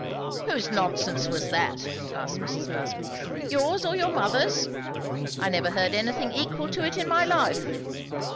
"Whose nonsense was that?" asked Mrs. Busby; "yours, or your mother's? I never heard anything equal to it in my life.